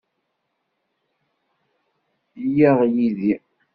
Yyaɣ yid-i.